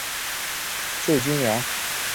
救军粮